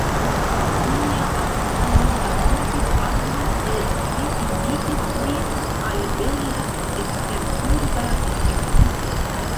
Mia amikino rakontis al mi, ke ili invitis vin al bela eksterurba ekskurso.